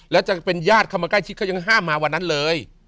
แล้วจะเป็นญาติเข้ามาใกล้ชิดเขายังห้ามมาวันนั้นเลย